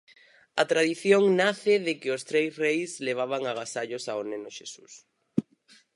A tradición nace de que os tres reis levaban agasallos ao neno Xesús.